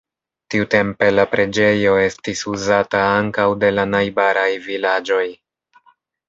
Tiutempe la preĝejo estis uzata ankaŭ de la najbaraj vilaĝoj.